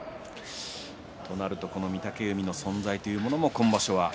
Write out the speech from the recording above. となると御嶽海の存在というものも今場所は。